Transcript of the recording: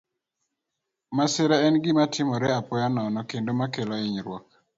Masira en gima timore apoya nono kendo ma kelo hinyruok.